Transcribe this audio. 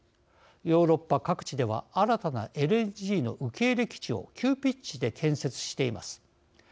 ヨーロッパ各地では新たなＬＮＧの受け入れ基地を急ピッチで建設しています。